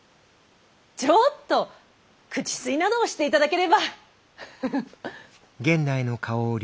ちょっと口吸いなどをして頂ければ。